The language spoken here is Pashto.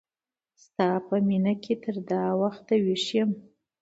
ستا په مینه کی تر دا وخت ویښ یم